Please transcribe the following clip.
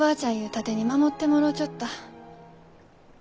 盾に守ってもろうちょった。